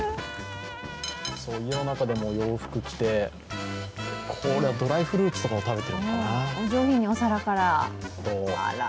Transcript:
家の中でも洋服着て、これはドライフルーツとかを食べているのかな？